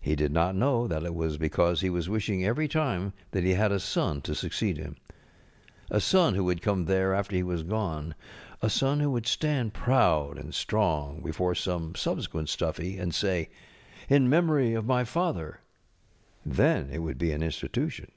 He did not know that it was because he was wishing eVery time that he had a son to succeed him. A son who would come there after he was gone ŌĆö a son who would stand proud and strong before some subsequent Stuffy, and say: ŌĆ£In memory of my father. ŌĆØ Then it would be an Institution.